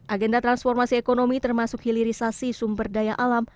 agenda transformasi ekonomi termasuk hilirisasi sumber daya alam